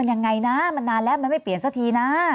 ยังไงนะมันนานแล้วมันไม่เปลี่ยนสักทีนะ